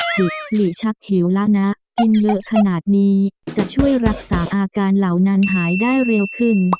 หยุดหลีชักเหวละนะกินเยอะขนาดนี้จะช่วยรักษาอาการเหล่านั้นหายได้เร็วขึ้น